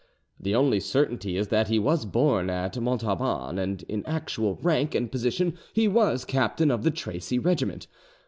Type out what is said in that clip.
The only certainty is that he was born at Montauban, and in actual rank and position he was captain of the Tracy regiment.